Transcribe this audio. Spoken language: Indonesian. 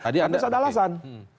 harus ada alasan